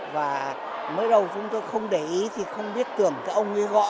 và mới đầu chúng tôi không để ý thì không biết tưởng cái ông ấy gõ